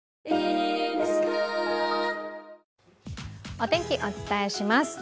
お天気、お伝えします。